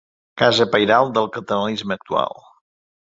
Casa pairal del catalanisme actual.